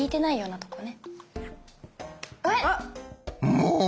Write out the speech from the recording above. もう！